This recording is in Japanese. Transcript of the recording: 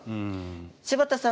柴田さん